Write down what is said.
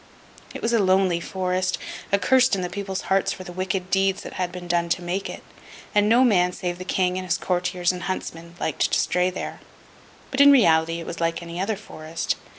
It was a lonely forest, accursed in the people's hearts for the wicked deeds that had been done to make it; and no man save the King and his Courtiers and Huntsmen, liked to stray there. But, in reality, it was like any other forest.